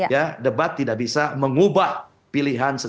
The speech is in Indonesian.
ya debat tidak bisa mengubah pilihan